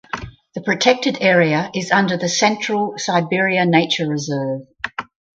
The protected area is under the Central Siberia Nature Reserve.